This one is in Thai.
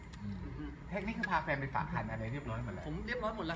เทคนิคคือพาแฟนไปสระหันอะไรเรียบร้อยหมดแล้ว